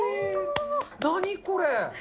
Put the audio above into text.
何これ。